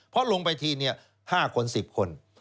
เพราะลงไปทีเนี่ย๕คน๑๐คน